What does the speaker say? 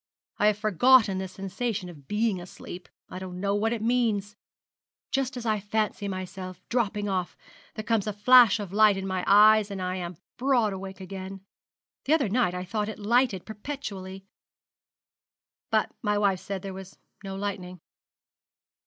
I have forgotten the sensation of being asleep I don't know what it means. Just as I fancy myself dropping off there comes a flash of light in my eyes, and I am broad awake again. The other night I thought it lightened perpetually, but my wife said there was no lightning.'